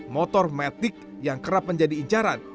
motor metik yang kerap menjadi incaran